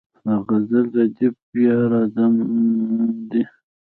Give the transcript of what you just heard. د غزل ردیف بیا راځم دی.